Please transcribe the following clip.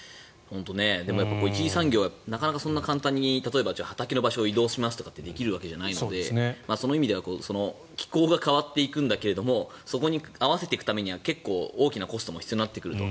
でも、一次産業はなかなか簡単に例えば畑の場所を移動しますとかってできるわけじゃないのでその意味では気候が変わっていくんだけどそこに合わせていくためには結構大きなコストも必要になってくると。